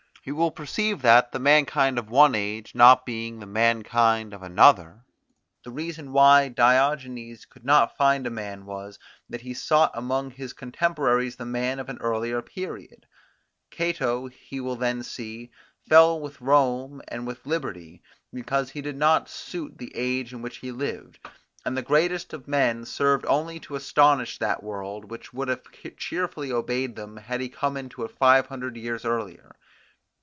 He will perceive that, the mankind of one age not being the mankind of another, the reason why Diogenes could not find a man was, that he sought among his cotemporaries the man of an earlier period: Cato, he will then see, fell with Rome and with liberty, because he did not suit the age in which he lived; and the greatest of men served only to astonish that world, which would have cheerfully obeyed him, had he come into it five hundred years earlier.